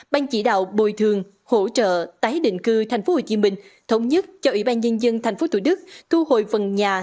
ban chỉ đạo bồi thường hỗ trợ tái định cư tp hcm thống nhất cho ủy ban nhân dân tp thủ đức thu hồi phần nhà